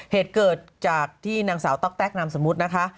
เหตุเกิดจากที่นางสาวต๊อกแก๊กนามสมมุตินะคะ